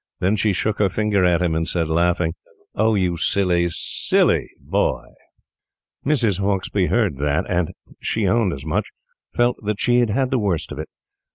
Then she shook her finger at him, and said, laughing: "Oh, you silly, SILLY boy!" Mrs. Hauksbee heard that, and she owned as much felt that she had the worst of it.